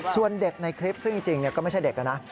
ส่วนเด็กในคลิปซึ่งจริงก็ไม่ใช่เด็กนะ